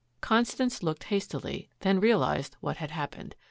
Constance looked hastily, then realized what had happened.